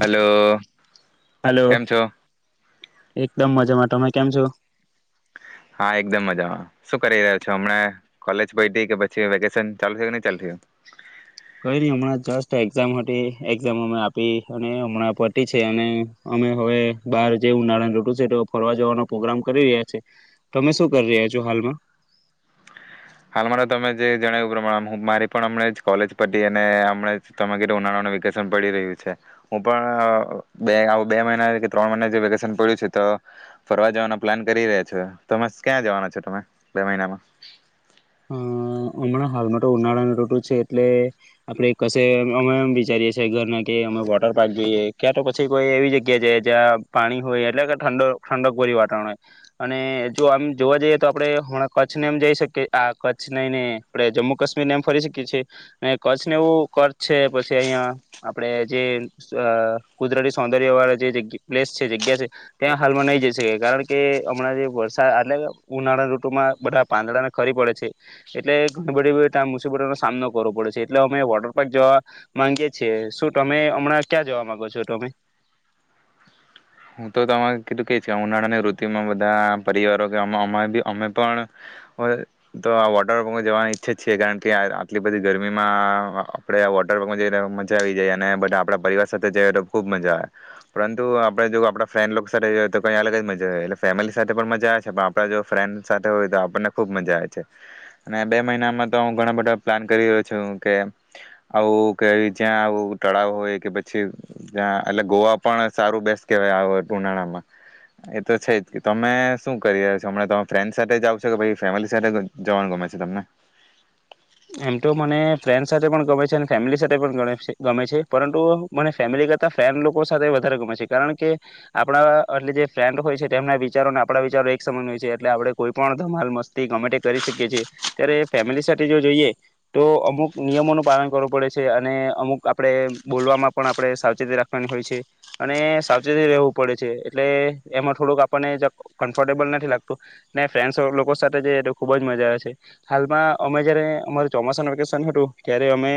Hello hello કેમ છો? એકદમ મજામાં તમે કેમ છો? હા એકદમ મજામાં શું કરી રહ્યા છો હમણાં કોલેજ પયતી કે પછી વેકેશન ચાલુ થયું કે ની ચાલું થયું? કઈ નહી હમણાં જસ્ટ એક્ઝામ હતી એકઝામ અમે આપી અને હમણાં પતી છે અને અમે હવે બાહર જેવું [unintelligible] છે તો ફરવા જવાનો પ્રગ્રામ કરી રહ્યા છે તમે શું કરી રહ્યા છો હાલમાં? હાલ મા તો તમે જે જણાવ્યું પ્રમાણે મારી પણ હમણે જ કોલેજ પયતી અને હમણે જ તમે કીધું ઉનાળાને વેકેશન પડી રહ્યું છે હું પણ બે આવ બે મહિના ત્રણ મહિના જેવું વેકેશન પડ્યું છે તો ફરવા જવાના પ્લાન કરી રહ્યા છે તો ક્યાં જવાના છો તમે બે મહિનામાં? હ હમણાં હાલમાં તો ઉનાળાની ઋતુ છે એટલે આપણે કશે અમે એમ વિચારીએ છીએ ઘરના કે અમે વોટર પાર્ક જઈએ ક્યાં તો પછી કોઈ એવી જગ્યા જઈએ જ્યાં પાણી હોય એટલે કે ઠંડ ઠંડક ભર્યું વાતાવરણ હોય અને જો આમ જોવા જઈએ તો આપણે હમણાં કચ્છને એમ જઈ શકીએ આ કચ્છ નહી ને આપણે જમ્મુ કાશ્મીરને એમ ફરી શકીએ છીએ અને કચ્છ ને એવું કચ્છ છે પછી અહિયાં આપણે જે અ કુદરતી સૌંદર્યવાળા જે જગ્ પ્લેસ છે જગ્યા છે ત્યાં હાલમાં નહીં જઈ શકી કારણ કે હમણાં જે વરસાદ એટલે કે ઉનાળા ઋતુમાં બધા પાંદડાના ખરી પડે છે એટલે ઘણી બધી ત્યાં મુસીબતોનો સામનો કરવો પડે છે એટલે અમે વોટર પાર્ક જવા માંગીએ છીએ શું તમે હમણાં ક્યાં જવા માંગો છો તમે? હું તો તમાર કીધું કે એજ કરવાના ઉનાળાની ઋતુમાં બધા પરિવારો કે અ અમાર અમે પણ અવે તો વોટર પાર્કમાં જવાનું ઈચ્છે છીએ કારણ કે આટલી બધી ગરમીમાં આપણે આ વોટર પાર્કમાં જઈ મજા આવી જાય અને બધા આપણા પરિવાર સાથે જઈએ તો ખુબ મજા આવે પરંતુ આપણે જો આ પણા ફ્રેન્ડ સાથે જો તો કંઈ અલગ જ મજા આવે એટલે ફેમિલી સાથે પણ મજા આવે છે પણ આપણા જો ફ્રેન્ડ સાથે હોય તો આપણને ખુબ મજા આવે છે અને બે મહિનામાં તો હું ઘણા બધા પ્લાન કરી રહ્યો છું કે આવું કે જ્યાં આવું તળાવ હોય કે પછી જ્યાં એટલે ગોવા પણ સારું બેસ કે આ ઉનાળામાં એ તો છે જ તમે શું કરી રહ્યા છો હમણાં તમે ફ્રેન્ડ સાથે જાવ છો કે પછી ફેમિલી સાથે જવાનું ગમે છે તમને? એમ તો મને ફ્રેન્ડ સાથે પણ ગમે છે અને ફેમિલી સાથે પણ ગણે ગમે છે પરંતુ મને ફેમિલી કરતાં ફ્રેન્ડ લોકો સાથે વધારે ગમે છે કારણ કે આપણા એટલે જે ફ્રેન્ડ હોય છે તેમના વિચારોને આપણા વિચારો એક સમાન હોય છે એટલે આપણે કોઈ પણ ધમાલ મસ્તી ગમે તે કરી શકીએ છીએ ત્યારે ફેમિલી સાથે જો જઈએ તો અમુક નિયમોનું પાલન કરવું પડે છે અને અમુક આપણેે બોલવામાં પણ આપણે સાવચેતી રાખવાની હોય છે અને સાવચેતીથી રહેવું પડે છે એટલે એમાં થોડુંક આપણને જરાક કમ્ફર્ટેબલ નથી લાગતું ને ફ્રેન્ડસ લોકો સાથે જઈએ તો ખુબ જ મજા આવે છે હાલમાં અમે જયારે અમાર ચોમાસાનું વેકેશન હતું ત્યારે અમે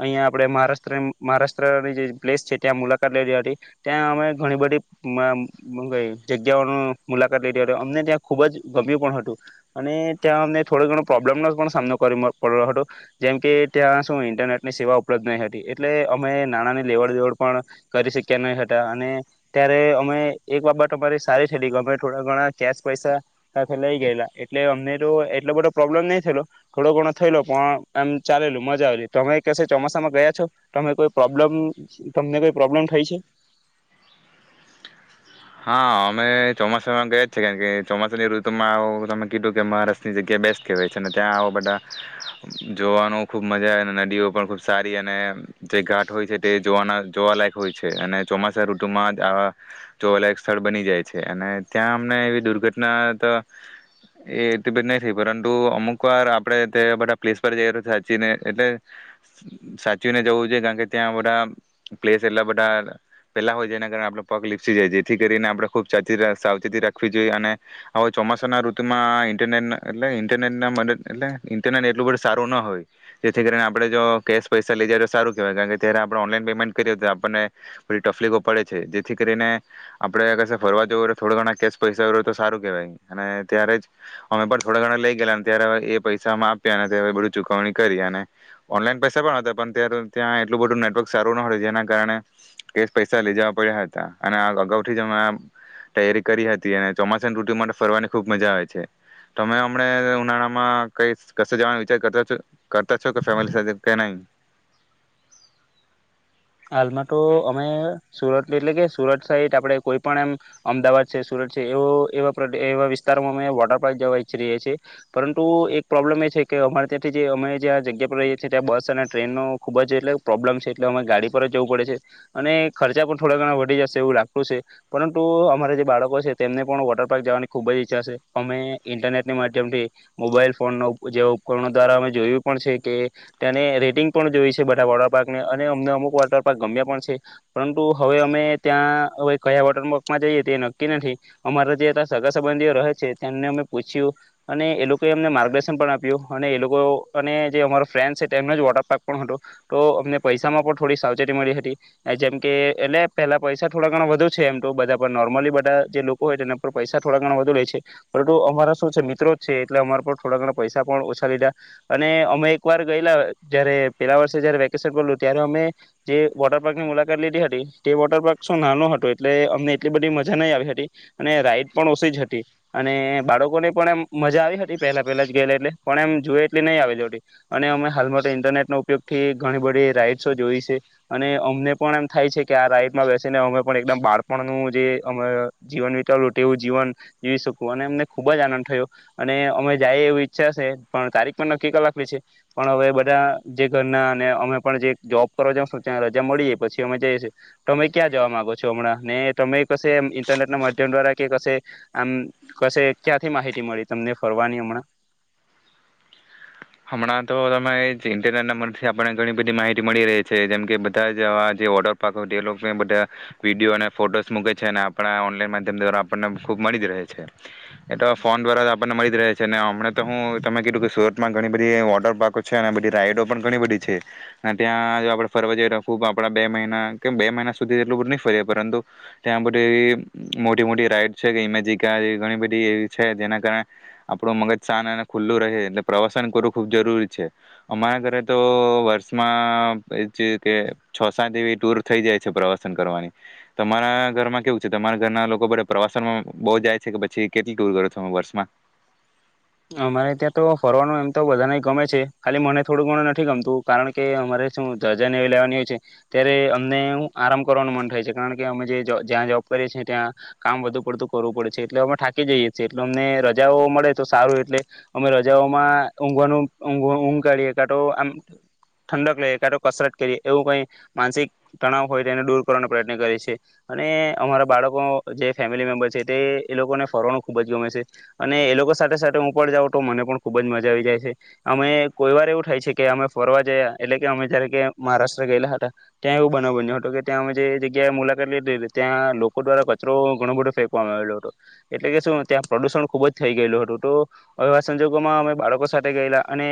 અહીંયા આપણે મહારાષ્ટ્ર મહારાષ્ટ્રની જે પ્લેસ છે ત્યાં મુલાકાત લીધી હતી ત્યાં અમે ઘણી બધી મ હું કેય જગ્યાઓની મુલાકાત લીધી હતી અમને ત્યાં ખૂબ જ ગમ્યું પણ હતું અને ત્યાં અમને થોડો ઘણો પ્રોબ્લેમનો પણ સામનો પર કરવો પડ્યો હતો. જેમ કે ત્યાં શું ઇન્ટરનેટની સેવા ઉપલબ્ધ નહીં હતી એટલે અમે નાણાંની લેવડ દેવડ પણ કરી શક્યા નહીં હતાં અને ત્યારે અમે એક બાબત અમારી સારી થયેલી કે અમે થોડા ઘણા કેશ પૈસા ત્યાથી લઈ ગયેલા એટલે અમને તો એટલો બધો પ્રોબ્લેમ નહીં થયેલો થોડો ઘણો થયેલો પણ આમ ચાલેલું મજા આવેલી તમે કશે ચોમાસામાં ગયા છો? તમે કોઈ પ્રોબ્લેમ તમને કોઈ પ્રોબ્લેમ થઈ છે? હા અમે ચોમાસામાં ગયા જ છે કારણ કે ચોમાસાની ઋતુમાં આવું તમે કીધું કે મહારાષ્ટ્રની જગ્યા બેસ્ટ કહેવાય છે અને ત્યાં આવા બધા જોવાનું ખુબ મજા આવે અને નદીઓ પણ ખુબ સારી અને જે ઘાટ હોય છે તે જોવાના જોવા લાયક હોય છે અને ચોમાસા ઋતુમાં જ આવા જોવાલાયક સ્થળ બની જાય છે અને ત્યાં અમને એવી દુર્ઘટના તો એટલી બધી નહી થઈ પરંતુ અમુક વાર આપણે તેવા બધા પ્લેસ પર જઈ સાચીને એટલે સાચવીને જવું જોઈએ કારણ કે ત્યાં બધા પ્લેસ એટલા બધા પેલા હોય જેના કારણે આપણો પગ લી પસી જાય જેથી કરીને આપણે ખૂબ સાચવી સાવચેતી રાખવી જોઈએ અને હવે ચોમાસાના ઋતુમાં ઇન્ટરનેટ એટલે ઇન્ટરનેટ મદદ એટલે ઇન્ટરનેટ એટલું બધું સારું ન હોય જેથી કરીને આપણે જો કેશ પૈસા લઈ જાય તો સારું કહેવાય કારણ કે ત્યારે આપણે ઓનલાઈન પેમેન્ટ કરીએ તો આપણને બધી તફલીકો પડે છે જેથી કરીને આપણે કશે ફરવા જવું હોય તો થોડા ઘણા કેશ પૈસા હોય તો સારું કેહવાય અને ત્યારે જ અમે પણ થોડા ઘણા લઈ ગયલા ત્યારે એ પૈસામાં આપ્યા અને બધું ચુકવણી કરી અને ઓનલાઈન પૈસા પણ હતા પણ ત્યારે ત્યાં એટલું બધું નેટવર્ક સારું ન હતું જેના કારણે કેશ પૈસા લઈ જવા પડ્યા હતાં અને આ અગાઉથી જ અમે આમ તૈયારી કરી હતી અને ચોમાસાની ત્રૃતુ માટે ફરવાની ખુબ મજા આવે છે તમે હમણે ઉનાળામાં કઈ કશે જવાનો વિચાર કરતા છો કરતા છો કે ફેમિલી સાથે કે નહીં? હાલમાં તો અમે સુરત એટલે કે સુરત સાઈડ આપણે કોઈ પણ એમ અમદાવાદ છે, સુરત છે એવો એવા પ્ર એવા વિસ્તારોમાં અમે વોટર પાર્ક જવા ઈચ્છી રહીએ છીએ પરંતુ એક પ્રોબ્લમ એ છે કે અમાર ત્યાંથી જે અમે જ્યાં જગ્યા પર રહીએ છીએ ત્યાં બસ અને ટ્રેનનો ખુબ જ એટલે કે પ્રોબ્લમ છે એટલે અમે ગાડી ઉપર જ જવું પડે છે અને ખર્ચા પણ થોડા ઘણા વધી જશે એવું લાગતું છે પરંતુ અમારા જે બાળકો છે તેમને પણ વોટર પાર્ક જવાની ખૂબ જ ઈચ્છા છે અમે ઇન્ટરનેટના માધ્યમથી મોબાઈલ ફોનનો જેવા ઉપકરણો દ્વારા અમે જોયું પણ છે કે ત્યાની રેટિંગ પણ જોઈ છે બધા વોટર પાર્કની અને અમને અમુક વો ટર પાર્ક ગમ્યાં પણ છે પરંતુ હવે અમે ત્યાં હવે કયા વોટર પાર્કમાં જઈએ તે નક્કી નથી અમારા જે ત્યાં સગા સંબંધીઓ રહે છે તેમને અમે પૂછ્યું અને એ લોકોએ અમને માર્ગદર્શન પણ આપ્યું અને એ લોકો અને જે અમારો ફ્રેન્ડસ છે તેમનો જ વોટર પાર્ક પણ હતો તો અમને પૈસામાં પણ થોડી સાવ ચેતી મળી હતી જેમકે એટલે પેહલા પૈસા થોડા ઘણા વધુ છે એમ તો બધા પર નોર્મલી બધા જે લોકો હોય તેના પર પૈસા થોડા ઘણા વધુ લેય છે પરંતુ અમારા શું છે મિત્રો જ છે એટલે અમાર પર થોડા ઘણા પૈસા પણ ઓછા લીધા અને અમે એક વાર ગયેલા જયારે પેલા વર્ષે જયારે વેકેશન પડલુ ત્યારે અમે જે વોટર પાર્કની મુલાકાત લીધી હતી તે વોટર પાર્ક શું નાનો હતો એટલે અમને એટલી બધી મજા નહીં આવી હતી અને રાઈડ પણ ઓછી જ હતી અને બાળકોને પણ એમ મજા આવી હતી પહેલા પહેલા જ ગયેલા એટલે પણ એમ જોઈએ એટલી નહીં આવેલી હતી અને અમે હાલ માટે ઇન્ટરનેટનો ઉપયોગથી ઘણી બધી રાઈડ્સો જોઈ છે. અને અમને પણ એમ થાય છે કે આ રાઈડમાં બેસીને અમે પણ એકદમ બાળપણનું જે અમે જીવન વિતાવેલુ તેવું જીવન જીવી શકું અને અમને ખુબ જ આનંદ થયો અને અમે જાયે એવું ઈચ્છા છે પણ તારીખ પણ નક્કી કર લાખલી છે પણ હવે બધા જે ઘરના અને અમે પણ જે જોબ કરવા જાશું ત્યાં રજા મળી જાય પછી અમે જઈએ છે તમે ક્યાં જવા માંગો છો હમણાં ને તમે કશે એમ ઇન્ટરનેટના માધ્યમ દ્વારા કે કશે આમ કશે ક્યાંથી માહિતી મળી તમને ફરવાની હમણાં? હમણાં તો તમે એજ ઇન્ટરનેટના મનથી આપણને ઘણી બધી માહિતી મળી રહી છે જેમ કે બધા જવા જે વોટર પાર્ક હોય તે લોકો બધા વિડીયો અને ફોટોસ મૂકે છે અને આપણા ઓનલાઈન માધ્યમ દ્વારા આપણને ખુબ મળી જ રહે છે એ તો ફોન દ્વારા આપણને મળી જ રહે છે ને હમણાં તો હું તમે કીધું કે સુરત ઘણી બધી વોટર પાર્કો છે અને બધી રાઈડો પણ ઘણી બધી છે અને ત્યાં જો આપણે ફરવા જઈએ તો ખૂબબ આપણા બે મહિના કે બે મહિના સુધી એટલું બધું નહી ફરીએ પરંતુ ત્યાં બધી એવી મોટી મોટી રાઈડ છે કે ઇમેજિકા જેવી ઘણી બધી એવી છે જેના કારણે આપણું મગજ શાંત અને ખુલ્લું રહે એટલે પ્રવાસન કરવું ખૂબ જરૂરી છે અમારા ઘરે તો વર્ષમાં એ કે છ સાત એવી ટૂર થઈ જાય છે પ્રવાસન કરવાની તમારા ઘરમાં કેવું છે તમારા ઘરના લોકો બધા પ્રવાસનમાં બહુ જાય છે કે પછી કેટલી ટૂર કરો છો તમે વર્ષમાં? અમારે ત્યાં તો ફરવાનું એમ તો બધાને ગમે છે ખાલી મને થોડું ઘણું નથી ગમતું કારણ કે અમારે શું રજાને એવી લેવાની હોય છે ત્યારે અમને હુ આરામ કરવાનું મન થાય છે કારણ કે અમે જે જ્યાં જોબ કરીએ છીએ ત્યાં કામ વધુ પડતું કરવું પડે છે એટલે અમે થાકી જઈએ છીએ એટલે અમને રજાઓ મળે તો સારું એ અમે રજાઓમાં ઊંઘવાનું ઊંઘ કાઢીએ કાતો આમ ઠંડક લઈએ કાંતો કસરત કરીએ એવું કઈ માનસિક તણાવ હોય તો એને દૂર કરવાનો પ્રયત્ન કરીએ છીએ અને અમારા બાળકો જે ફેમિલી મેમ્બર છે તે એ લોકોને ફરવાનું ખુબ જ ગમે છે અને એ લોકો સાથે સાથે હું ઉપ જાઓ તો મને પણ ખૂબ જ મજા આવી જાય છે અમે કોઈ વાર એવું થાય છે કે અમે ફરવા જયા એટલે કે અમે જયારે કે મહારાષ્ટ્ર ગયેલા હતા ત્યાં એવું બનાવ બન્યો હતું કે ત્યાં અમે જે જગ્યાએ મુલાકાત લીધી હતી ત્યાં લોકો દ્વારા કચરો ઘણો બધો ફેંકવામાં આવેલો હતો એટલે કે શું ત્યાં પ્રદુષણ ખૂબ જ થઈ ગયેલું હતું તો એવા સંજોગોમાં અમે બાળકો સાથે ગયેલા અને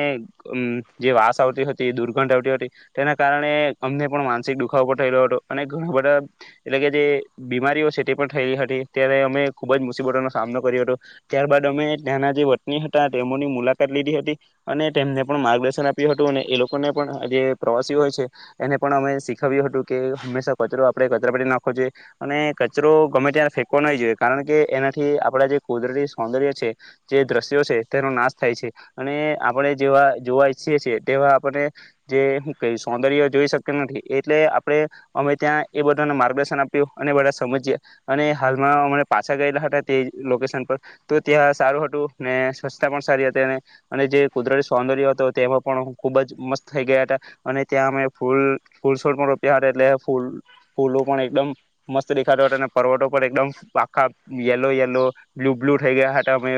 અમ જે વાસ આવતી હતી દુર્ગંધ આવતી હતી તેના કારણે અમને પણ માનસિક દુખાવો પણ થયેલો હતો અને ઘણા બધા એટલે કે જે બીમારીઓ છે તે પણ થયેલી હતી ત્યારે અમે ખુબ જ મુસીબતોનો સામનો કર્યો હતો ત્યારબાદ અમે ત્યાનાં જે વતની હતા તેમોની મુલાકાત લીધી હતી અને તેમને પણ માર્ગદર્શન આપ્યું હતું અને એ લોકોને પણ જે પ્રવાસીઓ હોય છે એને પણ અમે શીખાવ્યું હતું કે હંમેશા કચરો આપણે કચરાપેટી નાખવો જોઈએ અને કચરો ગમે ત્યાં ફેંકવો નહીં જોઈએ કારણ કે એનાથી આપણા જે કુદરતી સૌંદર્ય છે જે દ્રશ્યો છે તેનો નાશ થાય છે અને આપણે જેવા જોવા ઈચ્છીએ છીએ તેવા આપણે જે હું કેઈ સૌંદર્ય જોઈ શક્તા નથી એટલે આપણે અમે ત્યાં એ બધાને માર્ગદર્શન આપ્યું અને બધા સમજયા અને હાલમાં અમે પાછા ગયેલા હતા તે લોકેશન પર તો ત્યાં સારું હ સ્વચ્છતા પણ સારી હતી અને જે કુદરતી સૌંદર્ય હતો તેમાં પણ ખુબ જ મસ્ત થઈ ગયા હતા અને ત્યાં અમે ફૂલ ફૂલ છોડ પણ રોપ્યા હતા એટલે ફૂલ ફૂલો પણ એકદમ મસ્ત દેખાત હતો અને પર્વતો પણ એકદમ પાખા યલો યલો બ્લુ બ્લુ થઈ ગયા હતા અમે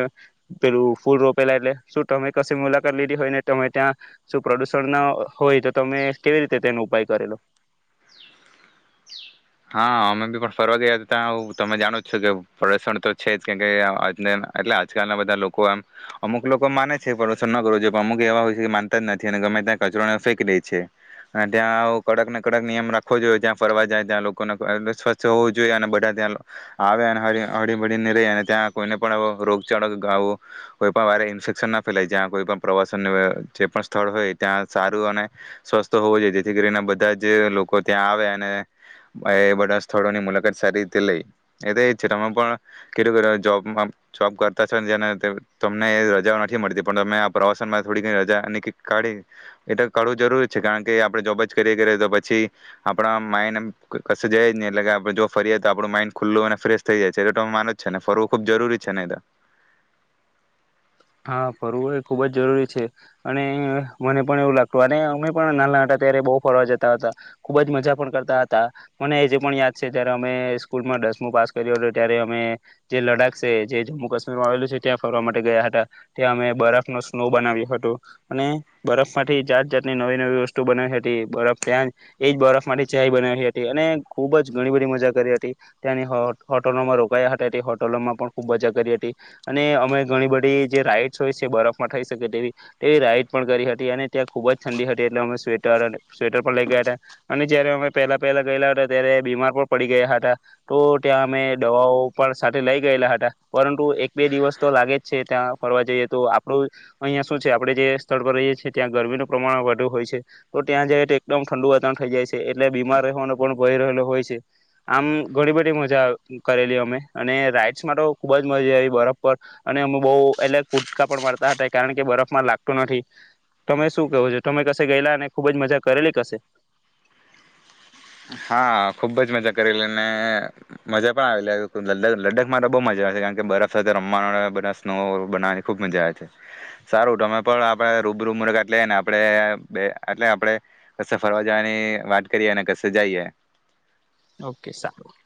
પેલું ફૂલ રોપેલા એટલે શું તમે કશે મુલાકાત લીધી હોય ને તમે ત્યાં શું પ્રદુષણ ના હોય તો તમે કેવી રીતે તેનો ઉપાય કરેલો? હા અમે બી પણ ફરવા ગયા હતા ત્યાં તમે જાણો જ છો કે પ્રદુષણ તો છે જ કેમ કે એટલે આજકાલના બધા લોકો એમ અમુક લોકો માને છે પ્રદુષણ ન કરવું જોઈએ પણ અમુક એવા હોય છે કે માનતા જ નથી અને ગમે ત્યાં કચરોને ફેંકી લે છે અને ત્યાં કડક ને કડક નિયમ રાખવો જોઈએ ત્યાં ફરવા જાય ત્યાં સ્વચ્છ હોવું જોઈએ અને બધા ત્યાં આવે અને હળી મળીને રેય અને ત્યાં કોઈને પણ રોગચાળો ગાવ કોઈ પણ વારે ઇન્ફેક્શન ના ફેલાય જ્યાં કોઈ પણ પ્રવાસન જે પણ સ્થળ હોય ત્યાં સારું અને સ્વસ્થ હોવું જોઈએ જેથી કરીને બધા જ લોકો ત્યાં આવે અને એ બધા સ્થળોની મુલાકાત સારી રીતે લઈ એ તો એ છે તમે પણ કીધું જોબમાં જોબ કરતા છો જેને તમને રજાઓ નથી મળતી પણ તમે આ પ્રવાસનમાં થોડી રજા કાઢી એ તો કાઢવું જરૂર છે કારણ કે આપણે જોબ જ કરીએ કરીએ તો પછી આપણા માઈન્ડ એમ ક કશે જાયે જ નઈ એટલે કે આપણે જો ફરીએ તો આપણું માઈન્ડ ખુલ્લું અને ફ્રેશ થઈ જાય છે એ માનવું જ છે ને ફરવું ખુબ જરૂરી છે ને એતો હા ફરવું એ ખુબ જ જરૂરી છે અને મને પણ એવું લાગતું અને અમે પણ નાનહલા હતા ત્યારે બહુ ફરવા જતા હતા ખુબ જ મજા પણ કરતા હતા મને અજે પણ યાદ છે જ્યારે અમે સ્કૂલમાં દસમું પાસ કર્યું હતું ત્યારે અમે જે લડાખ છે જે જમ્મુ કાશ્મીરમાં આવેલું છે ત્યાં ફરવા માટે ગયા હતાં. ત્યાં અમે બરફનો સ્નો બનાવ્યો હતું અને બરફ માંથી જાત જાતની નવી નવી વસ્તુ બનાવી હતી બરફ ત્યાં એજ બરફમાંથી ચાય બનાવી હતી અને ખુબ જ ઘણી બધી મજા કરી હતી ત્યાંની હો હોટલોમાં રોકાયા હતા હોટલોમાં પણ ખૂબ મજા કરી હતી અને અમે ઘણી બધી જે રાઈડ્સ હોય છે બરફમાં થઈ શકે તેવી તેવી રાઈડ પણ કરી હતી અને ત્યાં ખૂબ જ ઠંડી હતી એટલે અમે સ્વેટર સ્વેટર પણ લઈ ગયા હતા અને જયારે અમે પહેલા પહેલા ગયેલા હતા ત્યારે બીમાર પણ પડી ગયા હતા તો ત્યાં અમે દવાઓ પણ સાથે લઈ ગયેલા હતા પરંતુ એક બે દિવસ તો લાગે જ છે ત્યાં ફરવા જઈએ તો આપણું અહીંયા શું છે આપણે જે સ્થળ પર રહીએ છીએ ત્યાં ગરમીનું પ્રમાણ વધુ હોય છે, તો ત્યાં જઈએ તો એકદમ ઠંડુ વાતાવરણ થઈ જાય છે, એટલે બીમાર રહેવાનો પણ ભય રહેલો હોય છે. આમ ઘણી બધી મજા કરેલી અમે અને રાઈડસ માં તો ખૂબ જ મજા આવી બરફ પર અને અમે બહુ એટલે કુટકા પણ મારતા હતા કારણ કે બરફમાં લાગતું નથી. તમે શું કેહો છો? તમે કશે ગયેલા અને ખુબ જ મજા કરેલી કશે? હા ખુબ જ મજા કરેલી ને મજા પણ આવેલી. લ લદાખમાં તો બહુ મજા આવે છે, કારણ કે બરફ સાથે રમવાનો, બધા સ્નો બનાવે ખુબ મજા આવે છે. સારું તમે પણ આપડા રૂબરૂ મુલાકાત લઈને આપડે બે એટલે આપણે કશે ફરવા જાવાની વાત કરીએ ને કશ શે જાઈએ. ઓકે સારું.